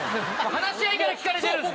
話し合いから聞かれてるんですよ。